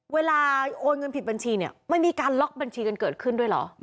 โอนเงินผิดบัญชีเนี่ยมันมีการล็อกบัญชีกันเกิดขึ้นด้วยเหรอ